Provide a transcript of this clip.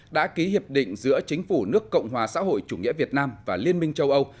đã ký hiệp định giữa chính phủ nước cộng hòa xã hội chủ nghĩa việt nam và liên minh châu âu